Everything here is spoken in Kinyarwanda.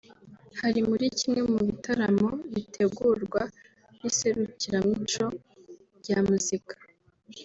Hari muri kimwe mu bitaramo bitegurwa n’Iserukiramuco rya muzika